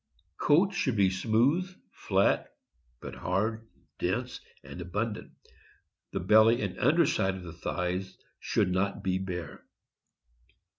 Goat should be smooth, flat, but hard, dense, and abundant. The belly and under side of the thighs should not be bare.